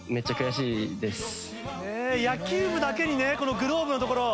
野球部だけにねこのグローブのところ。